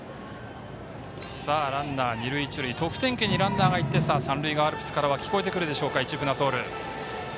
ランナー二塁一塁と得点圏にランナーが行って三塁側アルプスからは聞こえてくるでしょうか